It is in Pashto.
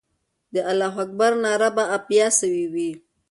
د الله اکبر ناره به بیا سوې وي.